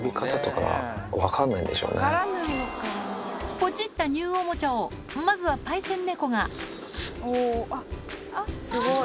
ポチったニューおもちゃをまずはパイセン猫がおぉあっすごい。